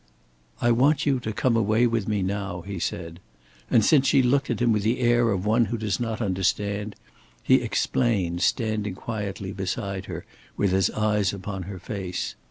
"I want you to come away with me now," he said, and since she looked at him with the air of one who does not understand, he explained, standing quietly beside her with his eyes upon her face.